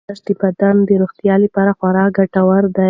ورزش د بدن د روغتیا لپاره خورا ګټور دی.